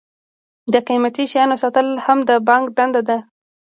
د قیمتي شیانو ساتل هم د بانک دنده ده.